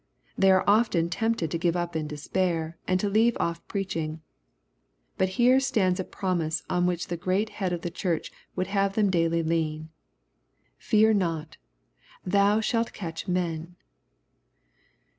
They are often tempted to give up in despair, and to leave off preach ing. But here stands a promise, on which the great Head of the Church would have them daily lean :Fear not, thou shalt catch men."